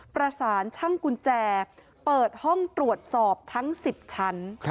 ประสานช่างกุญแจเปิดห้องตรวจสอบทั้ง๑๐ชั้น